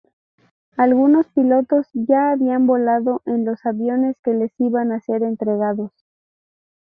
Algunos pilotos ya habían volado en los aviones que les iban a ser entregados.